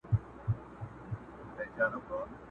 چي هره چېغه پورته کم پاتېږي پر ګرېوان،،!